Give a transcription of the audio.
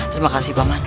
terima kasih paman